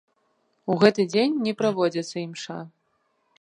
У гэты дзень не праводзіцца імша.